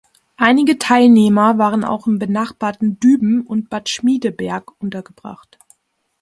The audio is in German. Einige Teilnehmer waren auch im benachbarten Düben und Bad Schmiedeberg untergebracht.